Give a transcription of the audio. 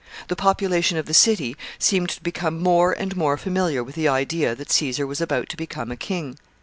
The population of the city seemed to become more and more familiar with the idea that Caesar was about to become a king.